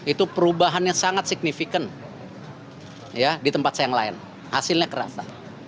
itu perubahannya sangat signifikan di tempat yang lain hasilnya kerasa